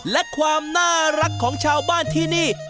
และความน่ารักของชาวบ้านที่นี่